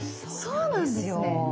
そうなんですよ。